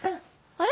あれ？